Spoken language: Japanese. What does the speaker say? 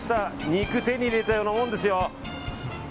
肉、手に入れたようなもんですよ。